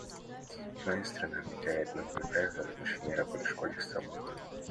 Моя страна внедряет новые правила в отношении работы школьных столовых.